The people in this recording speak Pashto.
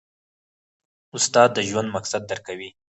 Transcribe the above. استاد د ژوند مقصد درکوي.